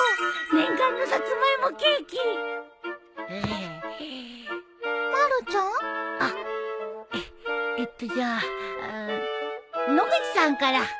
念願のサツマイモケーキまるちゃん？あっええっとじゃあ野口さんから。